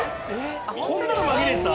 こんなの紛れてた？